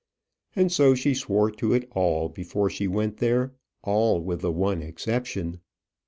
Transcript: And so she swore to it all before she went there all, with the one exception.